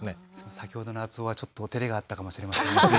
先ほどの熱男は、ちょっと照れがあったかもしれません。